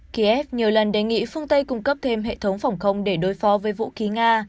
kiev nhiều lần đề nghị phương tây cung cấp thêm hệ thống phòng không để đối phó với vũ khí nga